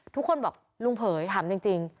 ทุกคนบอกลุงเผยถามจริง